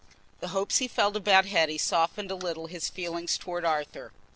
The hopes he felt about Hetty softened a little his feeling towards Arthur.